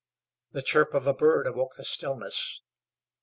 The chirp of a bird awoke the stillness.